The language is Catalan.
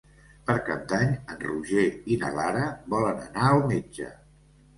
Per Cap d'Any en Roger i na Lara volen anar al metge.